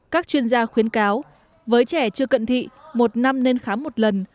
các chuyên gia khuyến cáo với trẻ chưa cận thị một năm nên khám một lần